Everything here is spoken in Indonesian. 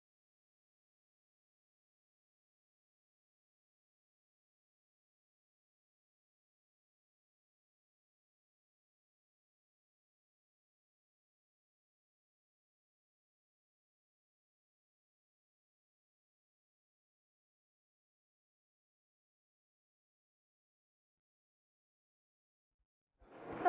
masih ada yang mau ngomong